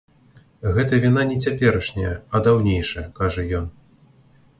Гэта віна не цяперашняя, а даўнейшая, кажа ён.